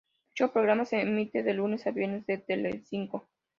Dicho programa se emitía de lunes a viernes en Telecinco.